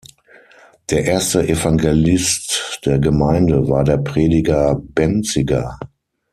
Der erste Evangelist der Gemeinde war der Prediger Bänziger.